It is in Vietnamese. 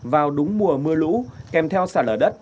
vào đúng mùa mưa lũ kèm theo xả lở đất